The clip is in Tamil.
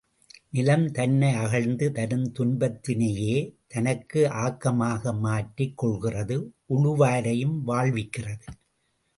நிலம் தன்னை அகழ்ந்து தரும் துன்பத்தினையே தனக்கு ஆக்கமாக மாற்றிக் கொள்கிறது உழுவாரையும் வாழ்விக்கிறது.